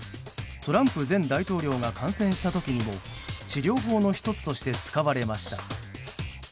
トランプ前大統領が感染した時にも治療法の１つとして使われました。